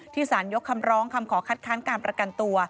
สารยกคำร้องคำขอคัดค้านการประกันตัว